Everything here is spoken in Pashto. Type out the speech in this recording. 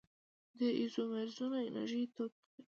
د ایزومرونو انرژي توپیر لري.